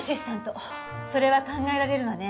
それは考えられるわね。